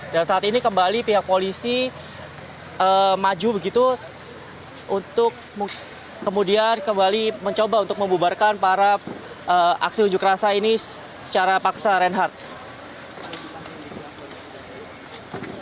dan saat ini kembali pihak polisi maju begitu untuk kemudian kembali mencoba untuk membubarkan para aksi unjuk rasa ini secara paksa renhardt